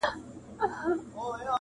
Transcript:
• بلکي د حافظې په ژورو کي نور هم خښېږي,